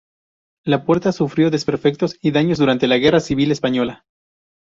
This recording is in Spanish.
La puerta sufrió desperfectos y daños durante la Guerra Civil española.